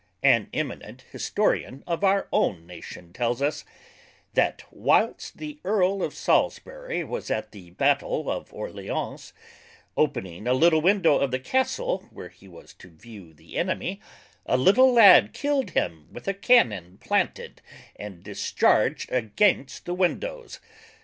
An eminent Historian of our own Nation tells us, That whilest the Earl of Salisbury was at the Battel of Orleance, opening a little window of the Castle, where he was to view the Enemy, a little Lad killed him with a Cannon planted and discharg'd against the Windows.